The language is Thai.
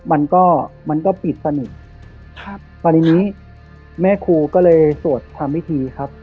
มันก็มันก็ปิดสนิทครับพอทีนี้แม่ครูก็เลยสวดทำพิธีครับ